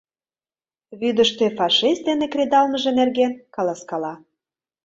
Вӱдыштӧ фашист дене кредалмыже нерген каласкала.